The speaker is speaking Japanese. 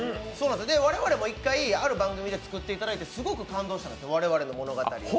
我々も作っていただいてすごく感動したんですよ、我々の物語。